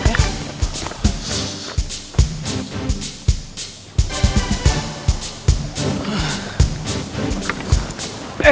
gue mau balik